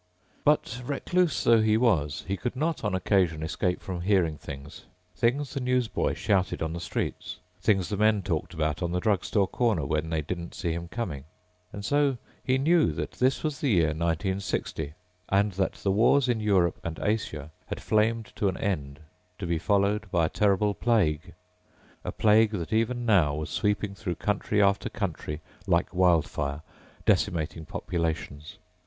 But recluse though he was, he could not on occasion escape from hearing things. Things the newsboy shouted on the streets, things the men talked about on the drugstore corner when they didn't see him coming. And so he knew that this was the year 1960 and that the wars in Europe and Asia had flamed to an end to be followed by a terrible plague, a plague that even now was sweeping through country after country like wild fire, decimating populations.